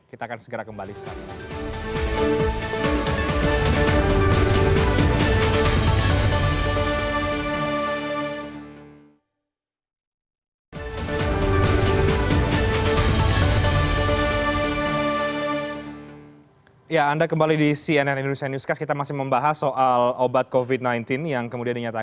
kita akan segera kembali